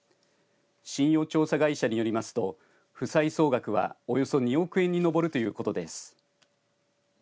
信用調査会社によりますと負債総額はおよそ２億円に上るということです。